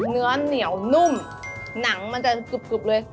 เนื้อเหนียวนุ่มหนังมันจะกรุบเลย